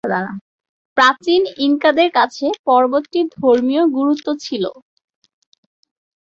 প্রাচীন ইনকাদের কাছে পর্বতটির ধর্মীয় গুরুত্ব ছিল।